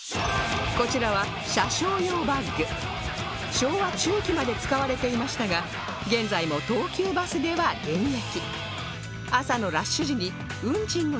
昭和中期まで使われていましたが現在も東急バスでは現役